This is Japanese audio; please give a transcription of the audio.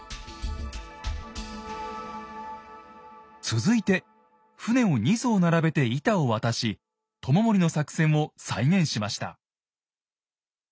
続いて船を２艘並べて板を渡し知盛の作戦を再現しました。